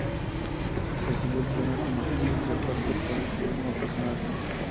Recibió el premio como actriz de reparto por este último personaje.